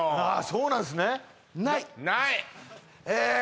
そうなんすねないえっ